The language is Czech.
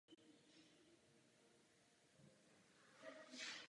Kurdové jsou dnes zastoupeni ve vedoucích politických pozicích v Iráku.